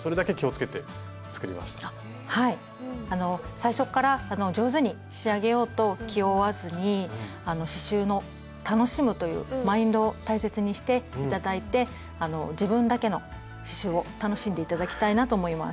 最初っから上手に仕上げようと気負わずに刺しゅうの楽しむというマインドを大切にして頂いて自分だけの刺しゅうを楽しんで頂きたいなと思います。